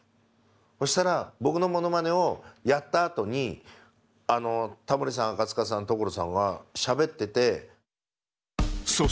そしたら僕のモノマネをやったあとにタモリさん赤さん所さんはしゃべってて。